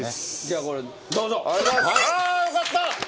あよかった！